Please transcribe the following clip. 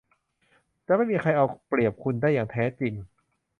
จะไม่มีใครเอาเปรียบคุณได้อย่างแท้จริง